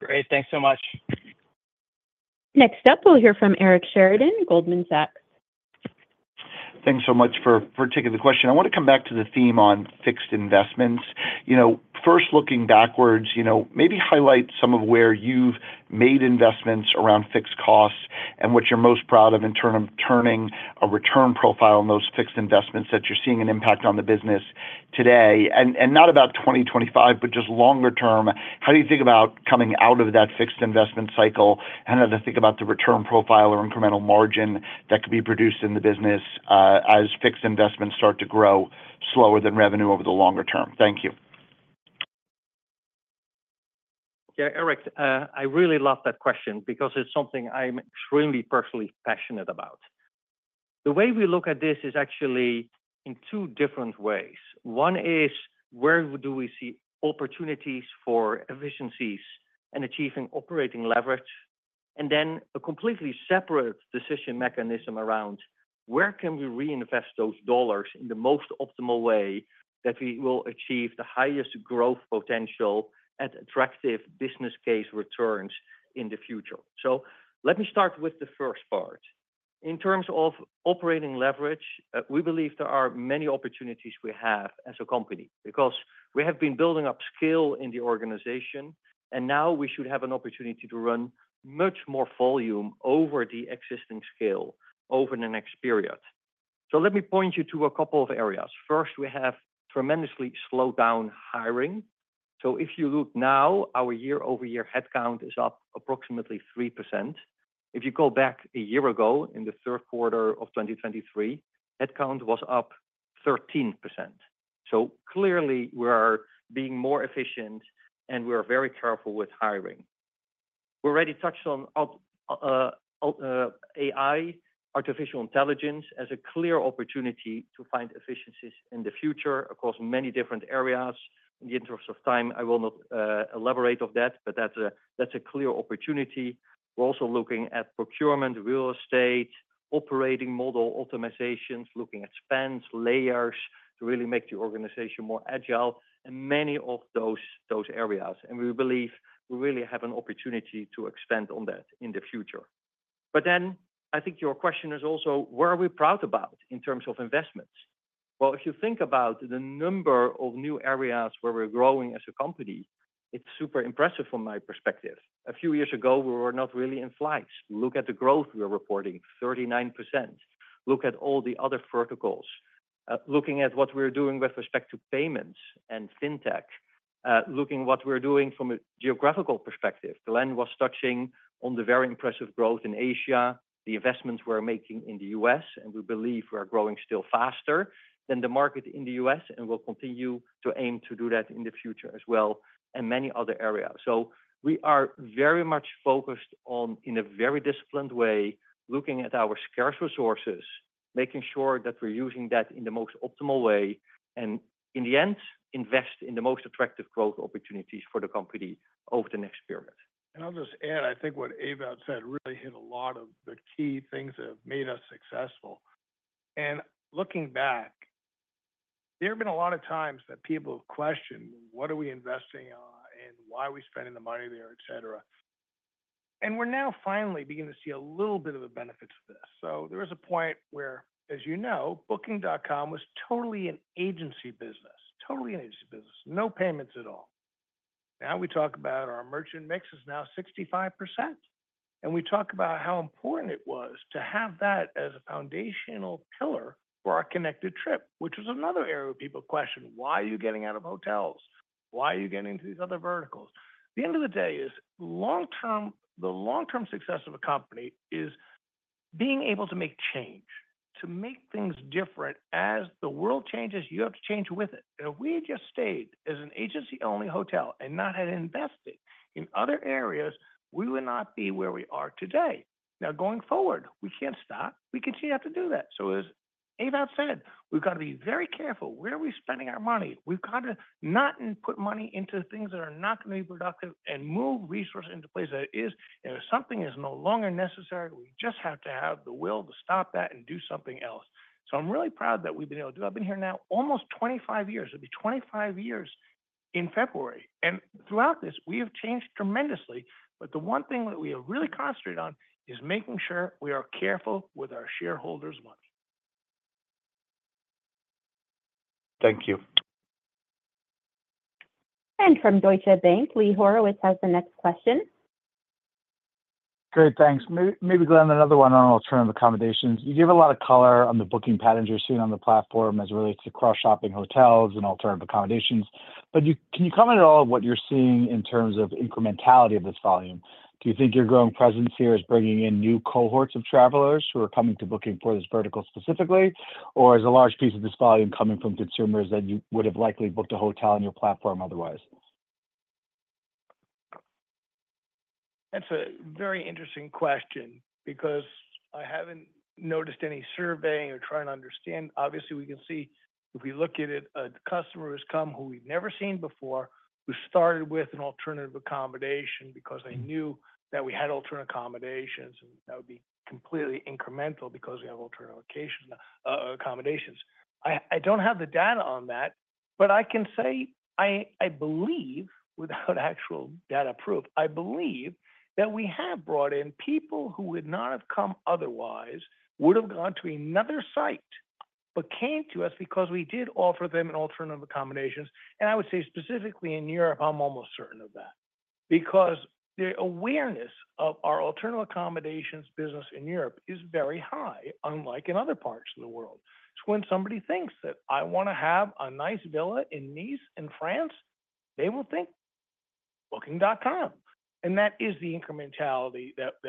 Great. Thanks so much. Next up, we'll hear from Eric Sheridan, Goldman Sachs. Thanks so much for taking the question. I want to come back to the theme on fixed investments. First, looking backwards, maybe highlight some of where you've made investments around fixed costs and what you're most proud of in terms of turning a return profile in those fixed investments that you're seeing an impact on the business today. And not about 2025, but just longer term, how do you think about coming out of that fixed investment cycle and how to think about the return profile or incremental margin that could be produced in the business as fixed investments start to grow slower than revenue over the longer term? Thank you. Yeah, Eric, I really love that question because it's something I'm extremely personally passionate about. The way we look at this is actually in two different ways. One is where do we see opportunities for efficiencies and achieving operating leverage, and then a completely separate decision mechanism around where can we reinvest those dollars in the most optimal way that we will achieve the highest growth potential at attractive business case returns in the future, so let me start with the first part. In terms of operating leverage, we believe there are many opportunities we have as a company because we have been building up skill in the organization, and now we should have an opportunity to run much more volume over the existing scale over the next period, so let me point you to a couple of areas. First, we have tremendously slowed down hiring, so if you look now, our year-over-year headcount is up approximately 3%. If you go back a year ago in the third quarter of 2023, headcount was up 13%. So clearly, we are being more efficient, and we are very careful with hiring. We already touched on AI, artificial intelligence as a clear opportunity to find efficiencies in the future across many different areas. In the interest of time, I will not elaborate on that, but that's a clear opportunity. We're also looking at procurement, real estate, operating model optimizations, looking at spend layers to really make the organization more agile, and many of those areas. And we believe we really have an opportunity to expand on that in the future. But then I think your question is also, what are we proud about in terms of investments? Well, if you think about the number of new areas where we're growing as a company, it's super impressive from my perspective. A few years ago, we were not really in flights. Look at the growth we're reporting, 39%. Look at all the other verticals. Looking at what we're doing with respect to payments and fintech, looking at what we're doing from a geographical perspective. Glenn was touching on the very impressive growth in Asia, the investments we're making in the U.S., and we believe we're growing still faster than the market in the U.S., and we'll continue to aim to do that in the future as well, and many other areas. So we are very much focused on, in a very disciplined way, looking at our scarce resources, making sure that we're using that in the most optimal way, and in the end, invest in the most attractive growth opportunities for the company over the next period. And I'll just add, I think what Ewout said really hit a lot of the key things that have made us successful. Looking back, there have been a lot of times that people have questioned what we are investing in, why we are spending the money there, etc. We're now finally beginning to see a little bit of a benefit to this. There was a point where, as you know, Booking.com was totally an agency business, totally an agency business, no payments at all. Now we talk about our merchant mix is now 65%, and we talk about how important it was to have that as a foundational pillar for our Connected Trip, which was another area where people questioned why you are getting out of hotels. Why are you getting into these other verticals? At the end of the day, the long-term success of a company is being able to make change, to make things different. As the world changes, you have to change with it. If we had just stayed as an agency-only hotel and not had invested in other areas, we would not be where we are today. Now, going forward, we can't stop. We continue to have to do that. So as Ewout said, we've got to be very careful. Where are we spending our money? We've got to not put money into things that are not going to be productive and move resources into places that something is no longer necessary. We just have to have the will to stop that and do something else. So I'm really proud that we've been able to do it. I've been here now almost 25 years. It'll be 25 years in February. And throughout this, we have changed tremendously, but the one thing that we have really concentrated on is making sure we are careful with our shareholders' money. Thank you. From Deutsche Bank, Lee Horowitz has the next question. Great. Thanks. Maybe, Glenn, another one on alternative accommodations. You gave a lot of color on the booking patterns you're seeing on the platform as it relates to cross-shopping hotels and alternative accommodations. But can you comment at all on what you're seeing in terms of incrementality of this volume? Do you think your growing presence here is bringing in new cohorts of travelers who are coming to Booking for this vertical specifically, or is a large piece of this volume coming from consumers that you would have likely booked a hotel on your platform otherwise? That's a very interesting question because I haven't noticed any surveying or trying to understand. Obviously, we can see if we look at it, customers come who we've never seen before, who started with an alternative accommodation because they knew that we had alternative accommodations, and that would be completely incremental because we have alternative accommodations. I don't have the data on that, but I can say I believe, without actual data proof, I believe that we have brought in people who would not have come otherwise, would have gone to another site, but came to us because we did offer them alternative accommodations. And I would say specifically in Europe, I'm almost certain of that because the awareness of our alternative accommodations business in Europe is very high, unlike in other parts of the world. So when somebody thinks that, "I want to have a nice villa in Nice, France," they will think Booking.com. And that is the incrementality that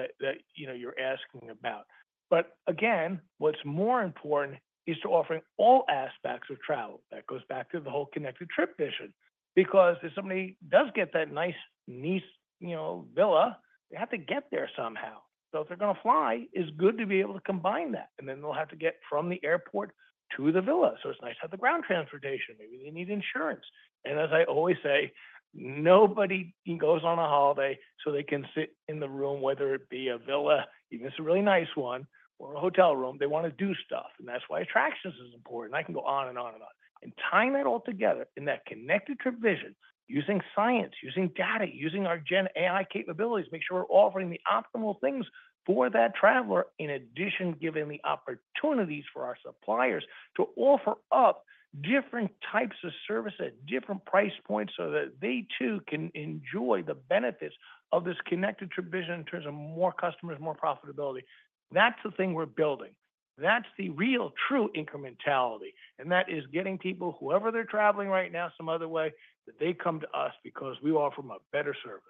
you're asking about. But again, what's more important is to offer all aspects of travel. That goes back to the whole Connected Trip vision because if somebody does get that nice Nice villa, they have to get there somehow. So if they're going to fly, it's good to be able to combine that. And then they'll have to get from the airport to the villa. So it's nice to have the ground transportation. Maybe they need insurance. And as I always say, nobody goes on a holiday so they can sit in the room, whether it be a villa, even if it's a really nice one, or a hotel room. They want to do stuff, and that's why attractions is important. I can go on and on and on. And tying that all together in that Connected Trip vision, using science, using data, using our GenAI capabilities, make sure we're offering the optimal things for that traveler. In addition, giving the opportunities for our suppliers to offer up different types of services at different price points so that they too can enjoy the benefits of this Connected Trip vision in terms of more customers, more profitability. That's the thing we're building. That's the real, true incrementality. And that is getting people, whoever they're traveling right now some other way, that they come to us because we offer them a better service.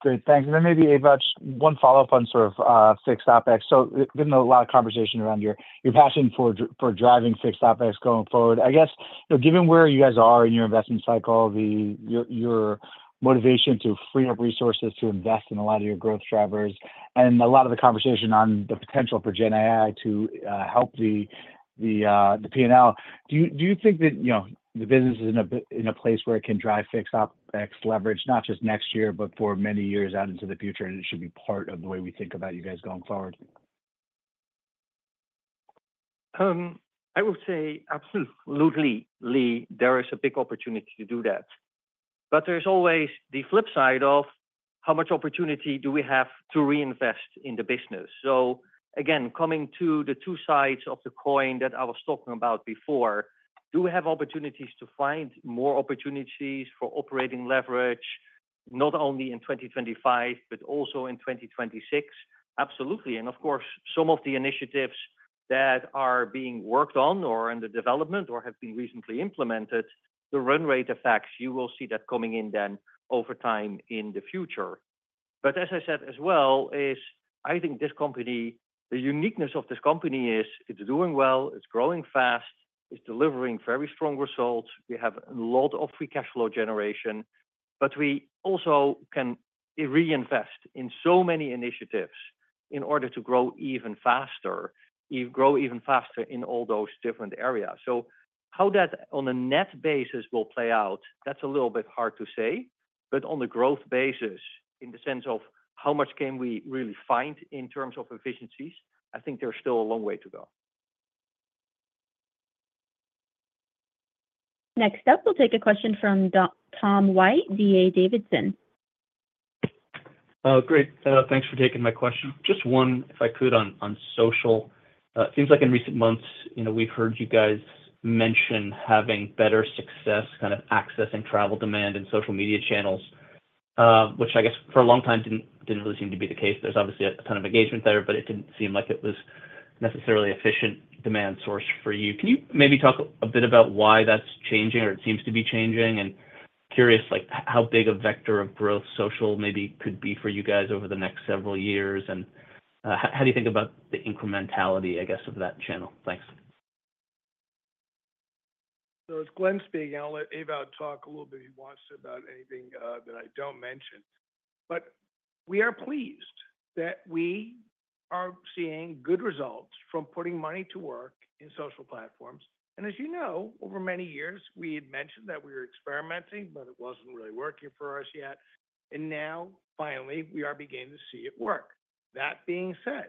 Great. Thanks. And then maybe Ewout, just one follow-up on sort of fixed OpEx. So given a lot of conversation around your passion for driving fixed OpEx going forward, I guess, given where you guys are in your investment cycle, your motivation to free up resources to invest in a lot of your growth drivers, and a lot of the conversation on the potential for Gen AI to help the P&L, do you think that the business is in a place where it can drive fixed OpEx leverage, not just next year, but for many years out into the future, and it should be part of the way we think about you guys going forward? I would say absolutely, Lee, there is a big opportunity to do that. But there's always the flip side of how much opportunity do we have to reinvest in the business? So again, coming to the two sides of the coin that I was talking about before, do we have opportunities to find more opportunities for operating leverage, not only in 2025, but also in 2026? Absolutely. And of course, some of the initiatives that are being worked on or in the development or have been recently implemented, the run rate effects, you will see that coming in then over time in the future. But as I said as well, I think this company, the uniqueness of this company is it's doing well, it's growing fast, it's delivering very strong results. We have a lot of free cash flow generation, but we also can reinvest in so many initiatives in order to grow even faster, grow even faster in all those different areas. So how that on a net basis will play out, that's a little bit hard to say. But on the growth basis, in the sense of how much can we really find in terms of efficiencies, I think there's still a long way to go. Next up, we'll take a question from Tom White, D.A. Davidson. Great. Thanks for taking my question. Just one, if I could, on social. It seems like in recent months, we've heard you guys mention having better success kind of accessing travel demand and social media channels, which I guess for a long time didn't really seem to be the case. There's obviously a ton of engagement there, but it didn't seem like it was necessarily an efficient demand source for you. Can you maybe talk a bit about why that's changing or it seems to be changing? And curious how big a vector of growth social maybe could be for you guys over the next several years, and how do you think about the incrementality, I guess, of that channel? Thanks. So it's Glenn speaking. I'll let Ewout talk a little bit if he wants to about anything that I don't mention. But we are pleased that we are seeing good results from putting money to work in social platforms. And as you know, over many years, we had mentioned that we were experimenting, but it wasn't really working for us yet. And now, finally, we are beginning to see it work. That being said,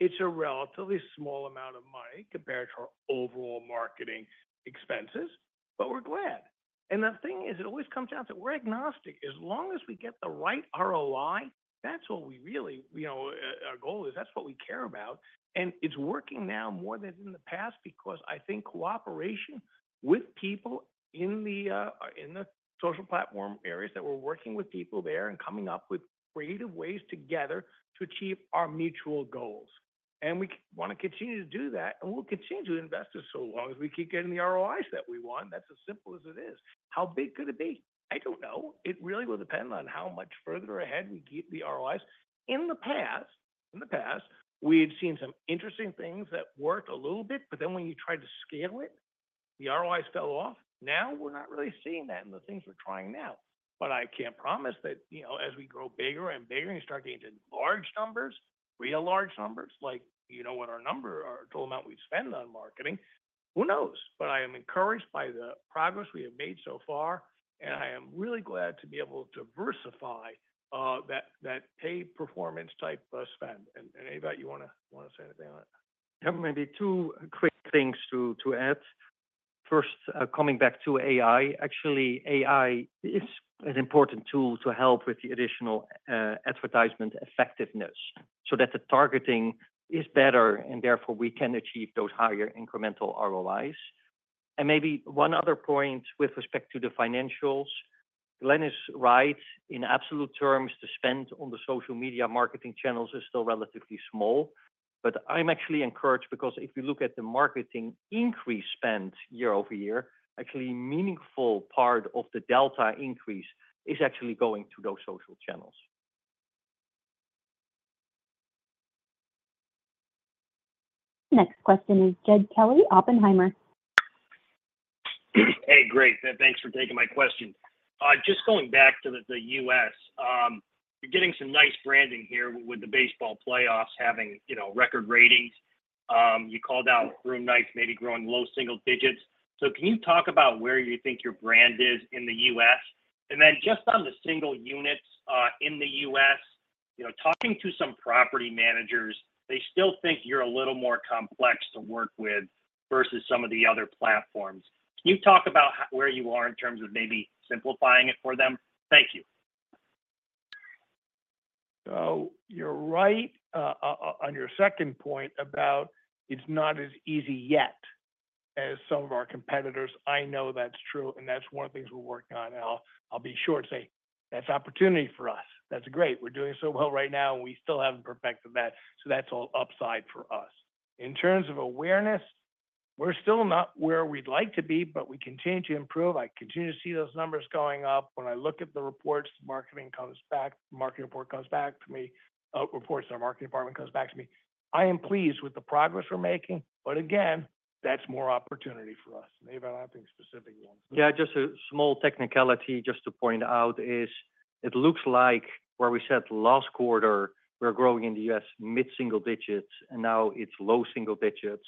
it's a relatively small amount of money compared to our overall marketing expenses, but we're glad. And the thing is, it always comes down to we're agnostic. As long as we get the right ROI, that's what we really our goal is, that's what we care about. And it's working now more than in the past because I think cooperation with people in the social platform areas that we're working with people there and coming up with creative ways together to achieve our mutual goals. And we want to continue to do that, and we'll continue to invest it so long as we keep getting the ROIs that we want. That's as simple as it is. How big could it be? I don't know. It really will depend on how much further ahead we get the ROIs. In the past, we had seen some interesting things that worked a little bit, but then when you tried to scale it, the ROIs fell off. Now we're not really seeing that in the things we're trying now. But I can't promise that as we grow bigger and bigger and you start getting to large numbers, real large numbers, like what our number or total amount we spend on marketing, who knows? But I am encouraged by the progress we have made so far, and I am really glad to be able to diversify that paid performance type spend. And Ewout, you want to say anything on it? Maybe two quick things to add. First, coming back to AI, actually, AI is an important tool to help with the additional advertisement effectiveness so that the targeting is better, and therefore we can achieve those higher incremental ROIs. And maybe one other point with respect to the financials. Glenn is right. In absolute terms, the spend on the social media marketing channels is still relatively small, but I'm actually encouraged because if you look at the marketing increase spend year over year, actually a meaningful part of the delta increase is actually going to those social channels. Next question is Jed Kelly, Oppenheimer. Hey, great. Thanks for taking my question. Just going back to the U.S., you're getting some nice branding here with the baseball playoffs having record ratings. You called out room nights, maybe growing low single digits. So can you talk about where you think your brand is in the U.S.? And then just on the single units in the U.S., talking to some property managers, they still think you're a little more complex to work with versus some of the other platforms. Can you talk about where you are in terms of maybe simplifying it for them? Thank you. So you're right on your second point about it's not as easy yet as some of our competitors. I know that's true, and that's one of the things we're working on. I'll be sure to say that's an opportunity for us. That's great. We're doing so well right now, and we still haven't perfected that. So that's all upside for us. In terms of awareness, we're still not where we'd like to be, but we continue to improve. I continue to see those numbers going up. When I look at the reports, marketing comes back, marketing report comes back to me, reports in our marketing department comes back to me. I am pleased with the progress we're making, but again, that's more opportunity for us, and Ewout, I don't have any specific ones. Yeah, just a small technicality just to point out is it looks like where we said last quarter, we're growing in the U.S. mid-single digits, and now it's low single digits.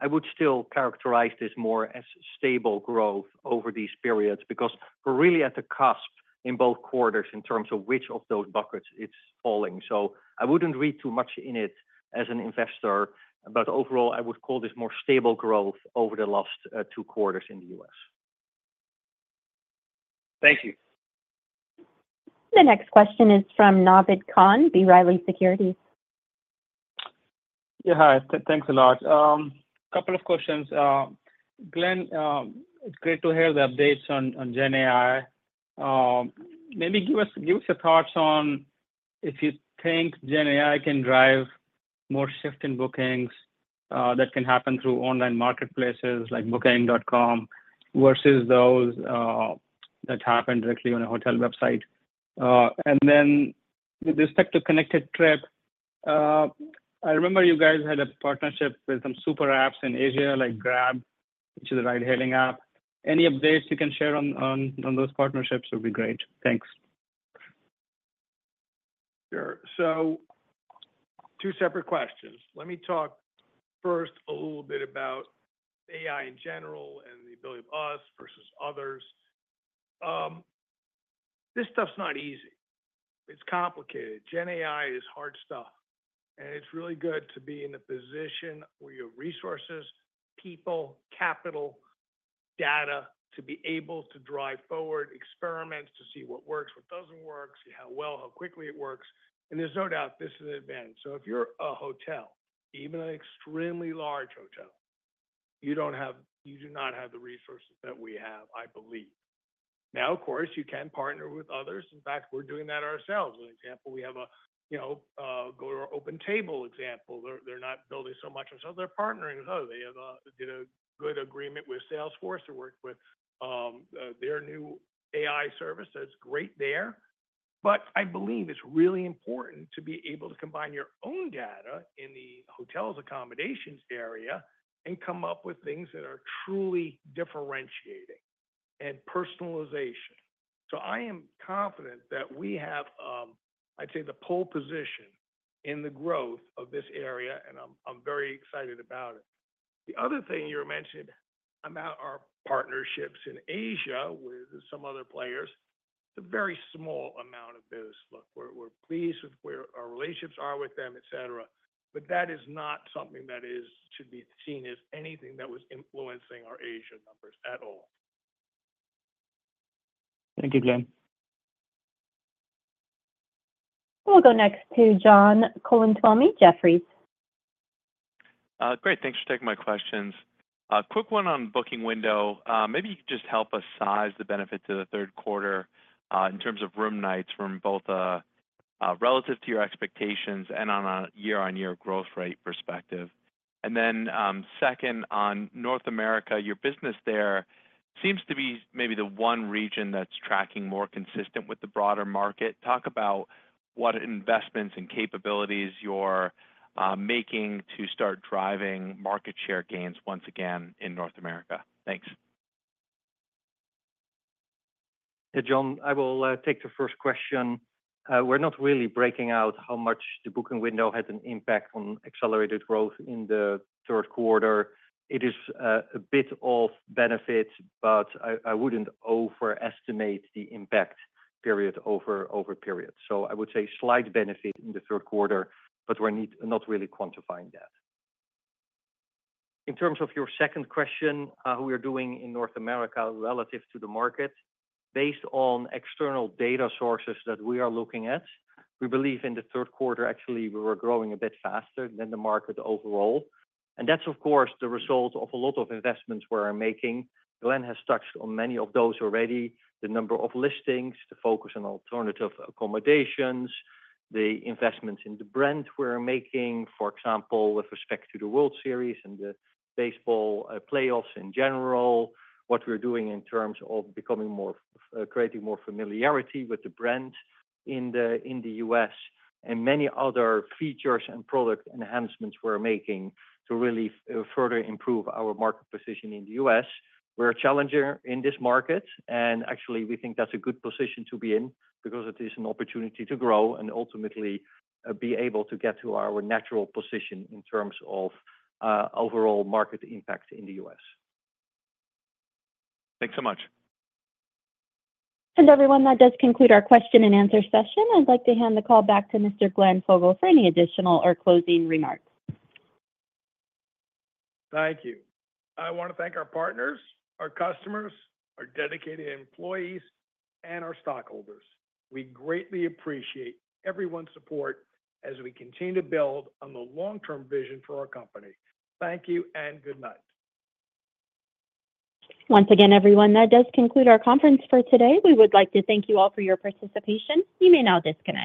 I would still characterize this more as stable growth over these periods because we're really at the cusp in both quarters in terms of which of those buckets it's falling. So I wouldn't read too much in it as an investor, but overall, I would call this more stable growth over the last two quarters in the U.S. Thank you. The next question is from Naved Khan, B. Riley Securities. Yeah, thanks a lot. A couple of questions. Glenn, it's great to hear the updates on Gen AI. Maybe give us your thoughts on if you think Gen AI can drive more shift in bookings that can happen through online marketplaces like Booking.com versus those that happen directly on a hotel website. And then with respect to Connected Trip, I remember you guys had a partnership with some super apps in Asia like Grab, which is a ride-hailing app. Any updates you can share on those partnerships would be great. Thanks. Sure. So two separate questions. Let me talk first a little bit about AI in general and the ability of us versus others. This stuff's not easy. It's complicated. Gen AI is hard stuff, and it's really good to be in a position where you have resources, people, capital, data to be able to drive forward experiments to see what works, what doesn't work, see how well, how quickly it works. And there's no doubt this is an advantage. So if you're a hotel, even an extremely large hotel, you do not have the resources that we have, I believe. Now, of course, you can partner with others. In fact, we're doing that ourselves. An example, we have a go-to OpenTable example. They're not building so much themselves. They're partnering with others. They have a good agreement with Salesforce. They work with their new AI service. That's great there. But I believe it's really important to be able to combine your own data in the hotel's accommodations area and come up with things that are truly differentiation and personalization. So I am confident that we have, I'd say, the pole position in the growth of this area, and I'm very excited about it. The other thing you mentioned about our partnerships in Asia with some other players, it's a very small amount of those. Look, we're pleased with where our relationships are with them, et cetera, but that is not something that should be seen as anything that was influencing our Asia numbers at all. Thank you, Glenn. We'll go next to John Colantuoni, Jefferies. Great. Thanks for taking my questions. Quick one on booking window. Maybe you could just help us size the benefit to the third quarter in terms of room nights from both relative to your expectations and on a year-on-year growth rate perspective. And then second, on North America, your business there seems to be maybe the one region that's tracking more consistent with the broader market. Talk about what investments and capabilities you're making to start driving market share gains once again in North America. Thanks. Hey, John, I will take the first question. We're not really breaking out how much the booking window had an impact on accelerated growth in the third quarter. It is a bit of benefit, but I wouldn't overestimate the impact period-over-period. So I would say slight benefit in the third quarter, but we're not really quantifying that. In terms of your second question, how we are doing in North America relative to the market, based on external data sources that we are looking at, we believe in the third quarter, actually, we were growing a bit faster than the market overall. And that's, of course, the result of a lot of investments we're making. Glenn has touched on many of those already, the number of listings, the focus on alternative accommodations, the investments in the brand we're making, for example, with respect to the World Series and the baseball playoffs in general, what we're doing in terms of creating more familiarity with the brand in the U.S., and many other features and product enhancements we're making to really further improve our market position in the U.S. We're a challenger in this market, and actually, we think that's a good position to be in because it is an opportunity to grow and ultimately be able to get to our natural position in terms of overall market impact in the U.S. Thanks so much. And everyone, that does conclude our question and answer session. I'd like to hand the call back to Mr. Glenn Fogel for any additional or closing remarks. Thank you. I want to thank our partners, our customers, our dedicated employees, and our stockholders. We greatly appreciate everyone's support as we continue to build on the long-term vision for our company. Thank you and good night. Once again, everyone, that does conclude our conference for today. We would like to thank you all for your participation. You may now disconnect.